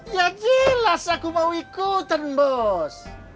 ya jelas aku mau ikutan bos